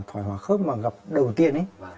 thoái hoa khớp mà gặp đầu tiên ấy